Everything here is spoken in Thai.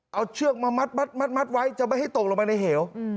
เอาเชือกมามัดไว้จะไม่ให้ตกลงไปในเหว